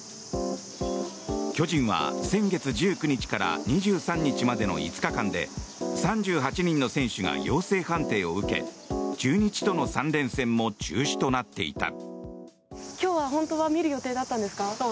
巨人は先月１９日から２３日までの５日間で３８人の選手が陽性判定を受け中日との３連戦も中止となっていた。